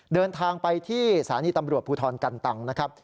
เดินทางไปที่สถานีตำรวจภูทรกันตังนะครับ